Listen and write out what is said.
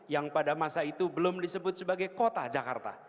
yang pada masa itu belum disebut sebagai kota jakarta